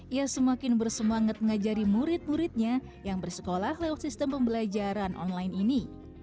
ia semakin bersemangat mengajari murid muridnya yang bersekolah lewat sistem pembelajaran online ini